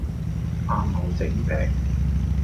阿茂整餅